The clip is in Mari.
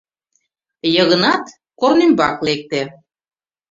Йыгнат корнӱмбак лекте.